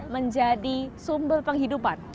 menjadi sumber penghidupan